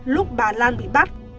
lúc bà lan bị bắt